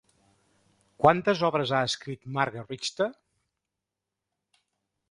Quantes obres ha escrit Marga Richter?